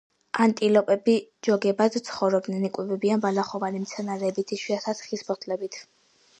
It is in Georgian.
ანტილოპები ჯოგებად ცხოვრობენ, იკვებებიან ბალახოვანი მცენარეებით, იშვიათად ხის ფოთლებით.